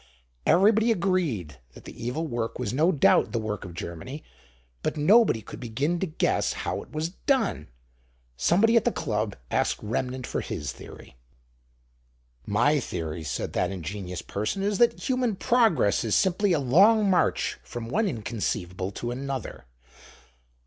Everybody agreed that the evil work was no doubt the work of Germany; but nobody could begin to guess how it was done. Somebody at the Club asked Remnant for his theory. "My theory," said that ingenious person, "is that human progress is simply a long march from one inconceivable to another.